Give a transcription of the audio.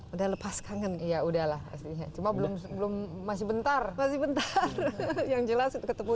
udah lepas kangen ya udahlah pastinya cuma belum belum masih bentar masih bentar yang jelas itu ketemu